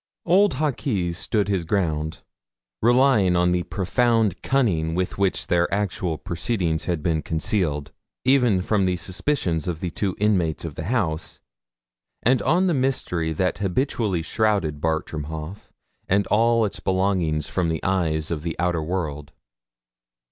Old Hawkes stood his ground, relying on the profound cunning with which their actual proceedings had been concealed, even from the suspicions of the two inmates of the house, and on the mystery that habitually shrouded Bartram Haugh and all its belongings from the eyes of the outer world.